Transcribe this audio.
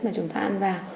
mà chúng ta ăn vào